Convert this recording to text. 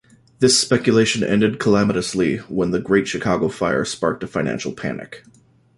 This speculation ended calamitously when the Great Chicago Fire sparked a financial panic.